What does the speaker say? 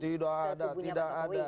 tidak ada tidak ada